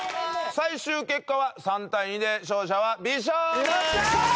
最終結果は３対２で勝者は美少年！